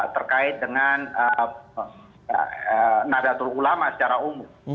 terkait dengan nadatul ulama secara umum